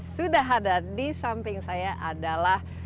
sudah ada disamping saya adalah